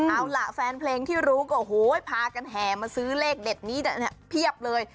เอาล่ะแฟนเพลงที่รู้ก็พากันแห่มาซื้อเลขเด็ดนี้เพียบเลย